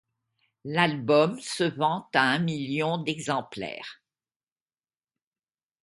L'album se vend à un million d'exemplaires.